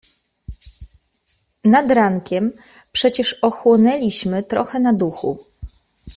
"Nad rankiem przecież ochłonęliśmy trochę na duchu."